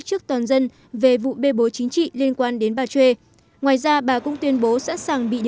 trước toàn dân về vụ bê bối chính trị liên quan đến bà sê ngoài ra bà cũng tuyên bố sẵn sàng bị